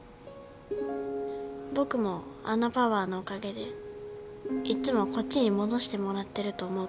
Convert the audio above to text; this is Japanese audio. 僕もあのパワーのおかげでいっつもこっちに戻してもらってると思うから。